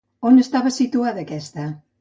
On estava situada aquesta?